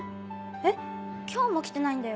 えっ？今日も来てないんだよ